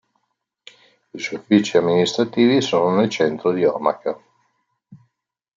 I suoi uffici amministrativi sono nel centro di Omaha.